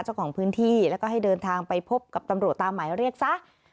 เจ้าของพื้นที่แล้วก็ให้เดินทางไปพบกับตำรวจตามหมายเรียกซะ